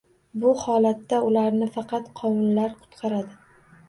Bu holatda ularni faqat "qovun"lar qutqaradi.